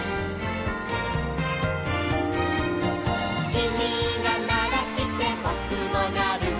「きみがならしてぼくもなる」